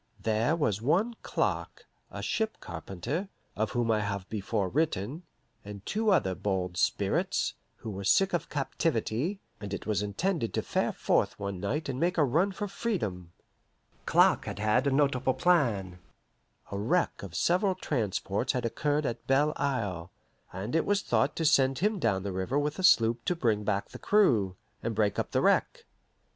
There was one Clark, a ship carpenter (of whom I have before written), and two other bold spirits, who were sick of captivity, and it was intended to fare forth one night and make a run for freedom. Clark had had a notable plan. A wreck of several transports had occurred at Belle Isle, and it was thought to send him down the river with a sloop to bring back the crew, and break up the wreck.